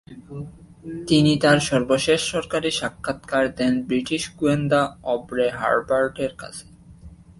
তিনি তার সর্বশেষ সরকারি সাক্ষাতকার দেন ব্রিটিশ গোয়েন্দা অবরে হার্বার্টের কাছে।